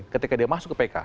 ketika dia masuk ke pk